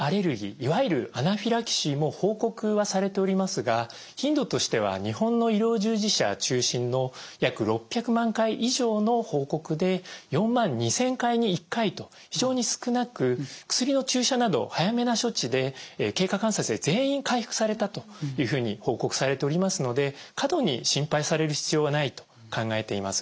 いわゆるアナフィラキシーも報告はされておりますが頻度としては日本の医療従事者中心の約６００万回以上の報告で４万２，０００回に１回と非常に少なく薬の注射など早めな処置で経過観察で全員回復されたというふうに報告されておりますので過度に心配される必要はないと考えています。